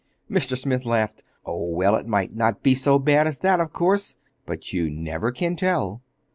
Mr. Smith laughed. "Oh, well, it might not be so bad as that, of course. But you never can tell.